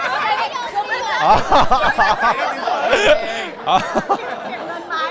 เกี่ยวสินสอดดี